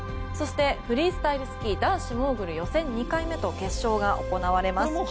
そしてフリースタイルスキー男子モーグル予選２回目もそして決勝が行われます。